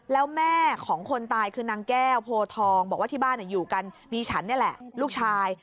แล้วแม่ของคนตายคือนางแก้วโพทองบอกว่าที่บ้านอยู่กันมีฉันนี่แหละลูกชาย